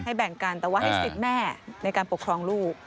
แบ่งกันแต่ว่าให้สิทธิ์แม่ในการปกครองลูก